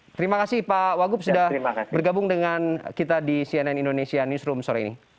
terima kasih pak wagub sudah bergabung dengan kita di cnn indonesia newsroom sore ini